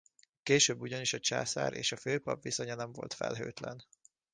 Később ugyanis a császár és a főpap viszonya nem volt felhőtlen.